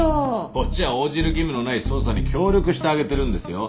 こっちは応じる義務のない捜査に協力してあげてるんですよ。